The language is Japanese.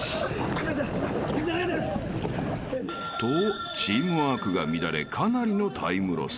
［とチームワークが乱れかなりのタイムロス］